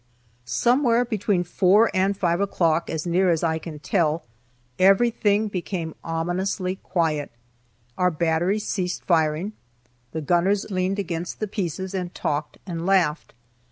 Somewhere between 4 and 5 o'clock, as near as I can tell, everything became ominously quiet. Our battery ceased firing; the gunners leaned against the pieces and talked and laughed.